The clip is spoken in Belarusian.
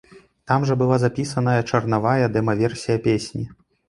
Там жа была запісаная чарнавая дэма-версія песні.